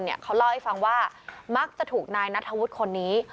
เขาเล่าให้ฟังว่ามักจะถูกนายนัทธวุฒิคนนี้